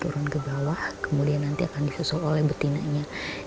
turun ke bawah kemudian nanti akan disusul oleh betinanya